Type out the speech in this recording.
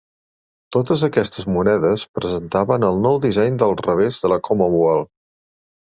Totes aquestes monedes presentaven el nou disseny del revers de la Commonwealth.